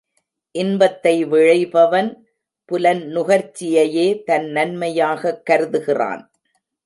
இன்பத்தை விழைபவன் புலன் நுகர்ச்சியையே தன் நன்மையாகக் கருதுகிறான்.